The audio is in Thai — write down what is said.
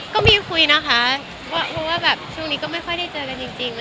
ก็มีคุยนะคะเพราะว่าแบบช่วงนี้ก็ไม่ค่อยได้เจอกันจริง